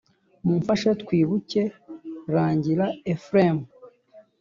mumfashe twibuke rangira ephraim